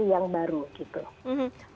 artinya hingga saat ini pandemi masih berjalan